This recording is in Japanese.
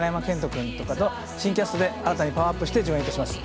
君とか新キャストで新たにパワーアップして上演します。